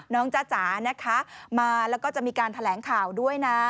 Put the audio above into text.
จ้าจ๋านะคะมาแล้วก็จะมีการแถลงข่าวด้วยนะ